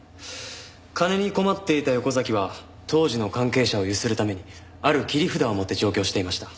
金に困っていた横崎は当時の関係者をゆするためにある切り札を持って上京していました。